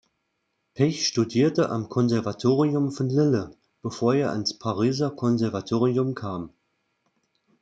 Pech studierte am Konservatorium von Lille, bevor er ans Pariser Konservatorium kam.